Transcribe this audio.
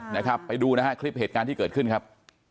นะครับไปดูนะฮะคลิปเหตุการณ์ที่เกิดขึ้นครับ